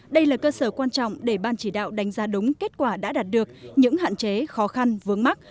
đây là cơ sở quan trọng để ban chỉ đạo đánh giá đúng kết quả đã đạt được những hạn chế khó khăn vướng mắt